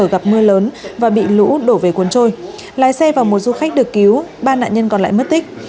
trong thời gặp mưa lớn và bị lũ đổ về cuốn trôi lái xe vào một du khách được cứu ba nạn nhân còn lại mất tích